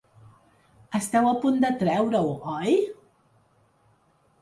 Esteu a punt de treure-ho oi?